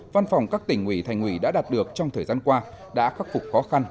văn phòng các tỉnh ủy thành ủy đã đạt được trong thời gian qua đã khắc phục khó khăn